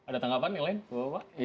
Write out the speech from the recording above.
ada tanggapan yang lain